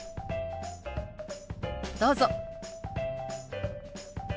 どうぞ。